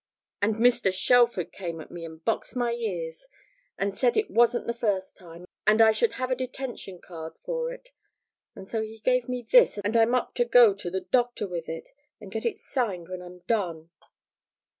And Mr. Shelford came at me and boxed my ears, and said it wasn't the first time, and I should have a detention card for it. And so he gave me this, and I'm to go up to the Doctor with it and get it signed when it's done!'